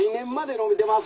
のびてます」。